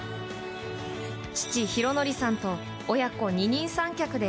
父・宏典さんと親子二人三脚で